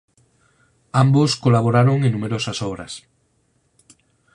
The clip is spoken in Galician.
Ambos colaboraron en numerosas obras.